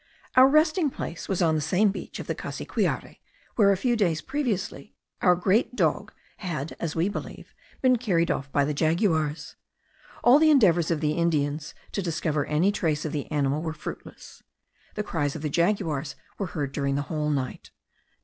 Our resting place was on the same beach of the Cassiquiare, where a few days previously our great dog had, as we believe, been carried off by the jaguars. All the endeavours of the Indians to discover any traces of the animal were fruitless. The cries of the jaguars were heard during the whole night.